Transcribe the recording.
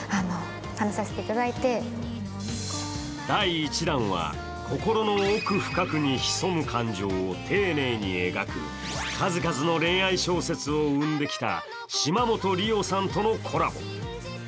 第１弾は心の奥深くに潜む感情を丁寧に描く数々の恋愛小説を生んできた島本理生さんとのコラボ。